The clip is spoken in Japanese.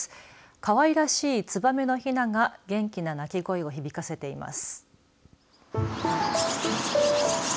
かわいらしい、つばめのひなが元気な鳴き声を響かせています。